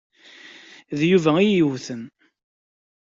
D Yuba ay iyi-yewten.